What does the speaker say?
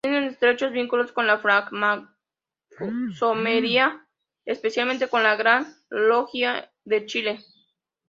Tiene estrechos vínculos con la francmasonería, especialmente con la Gran Logia de Chile.